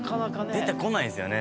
出てこないですよね